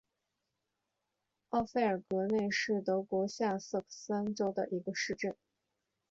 奥费尔格内是德国下萨克森州的一个市镇。